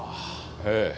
ええ。